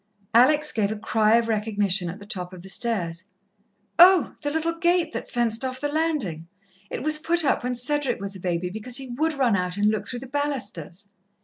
Alex gave a cry of recognition at the top of the stairs. "Oh, the little gate that fenced off the landing! It was put up when Cedric was a baby, because he would run out and look through the balusters."